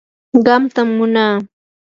qamtam munaa.